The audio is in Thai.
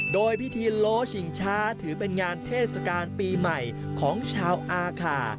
โดยพิธีโลชิงช้าถือเป็นงานเทศกาลปีใหม่ของชาวอาคา